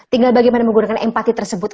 tinggal bagaimana menggunakan empati tersebut